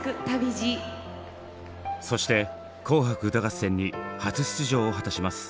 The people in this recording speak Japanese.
そして「紅白歌合戦」に初出場を果たします。